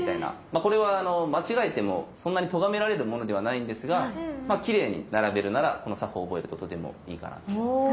まあこれは間違えてもそんなにとがめられるものではないんですがまあきれいに並べるならこの作法を覚えるととてもいいかなと思います。